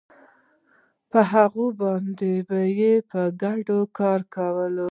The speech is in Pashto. په هغوی باندې به یې په ګډه کار کاوه